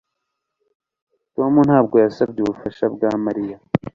Tom ntabwo yasabye ubufasha bwa Mariya